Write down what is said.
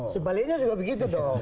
sebaliknya juga begitu dong